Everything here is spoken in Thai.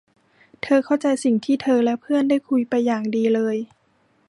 เธอเข้าใจสิ่งที่เธอและเพื่อนได้คุยไปอย่างดีเลย